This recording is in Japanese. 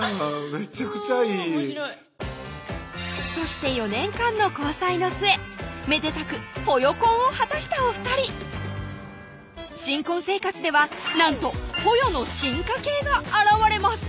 めちゃくちゃいいおもしろいそして４年間の交際の末めでたくぽよ婚を果たしたお２人新婚生活ではなんとぽよの進化系が現れます